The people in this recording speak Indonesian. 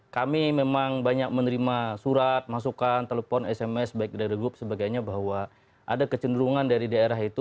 kami memang banyak menerima surat masukan telepon sms baik dari grup sebagainya bahwa ada kecenderungan dari daerah itu